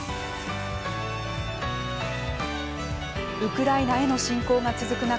ウクライナへの侵攻が続く中